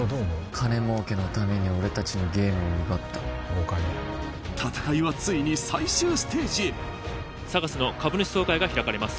金儲けのために俺達のゲームを奪った誤解だ戦いはついに最終ステージへ・ＳＡＧＡＳの株主総会が開かれます